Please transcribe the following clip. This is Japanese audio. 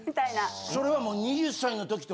それは。